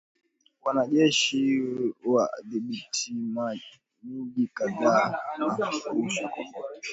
Wanajeshi wadhibithi miji kadhaa na kurusha Kombora